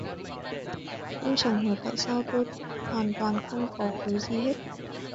Cũng chẳng hiểu tại sao tôi hoàn toàn không có nhớ gì hết